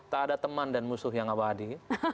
tak ada teman dan musuh yang abadi